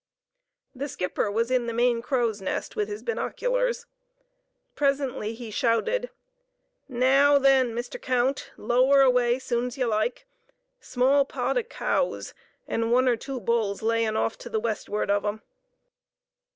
The skipper was in the main crow's nest with his binoculars. Presently he shouted, "Naow, then, Mr. Count, lower away soon's y'like. Small pod o' cows, an' one'r two bulls layin' off to west'ard of 'em."